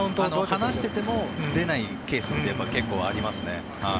話してても出ないケースって結構ありますね。